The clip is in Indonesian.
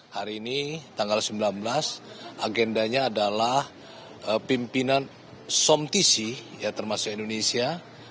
hari ini tanggal sembilan belas agendanya adalah pimpinan somtc termasuk indonesia